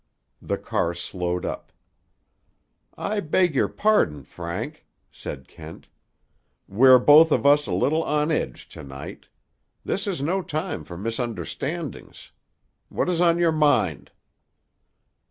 The car slowed up. "I beg your pardon, Frank," said Kent. "We're both of us a little on edge to night. This is no time for misunderstandings. What is on your mind?"